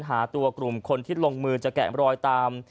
หาตัวกลุ่มคนที่ลงมือจะแกะรอยตาม